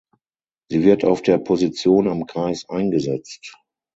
Sie wird auf der Position am Kreis eingesetzt.